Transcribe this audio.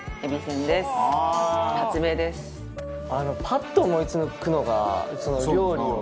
パッと思い付くのがその料理を。